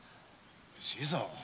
新さん。